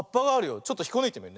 ちょっとひっこぬいてみるね。